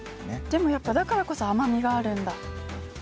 でもやっぱだからこそ甘みがあるんだ。